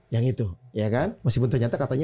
yang itu ya kan masih pun ternyata katanya